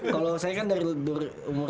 kalau saya kan dari umur delapan belas